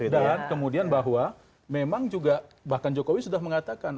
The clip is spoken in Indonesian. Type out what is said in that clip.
dan kemudian bahwa memang juga bahkan jokowi sudah mengatakan